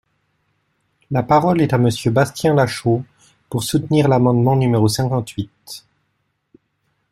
La parole est à Monsieur Bastien Lachaud, pour soutenir l’amendement numéro cinquante-huit.